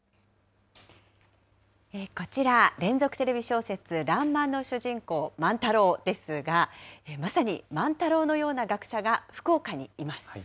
こちら、連続テレビ小説、らんまんの主人公、万太郎ですが、まさに万太郎のような学者が福岡にいます。